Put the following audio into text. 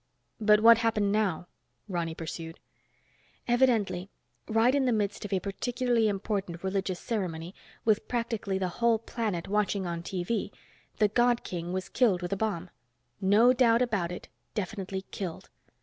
"But what happened now?" Ronny pursued. "Evidently, right in the midst of a particularly important religious ceremony, with practically the whole planet watching on TV, the God King was killed with a bomb. No doubt about it, definitely killed.